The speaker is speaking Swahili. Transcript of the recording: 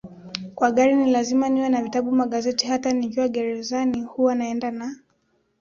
kwa gari ni lazima niwe na vitabu magazeti Hata nikiwa gerezani huwa naenda na